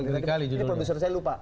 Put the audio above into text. ini produser saya lupa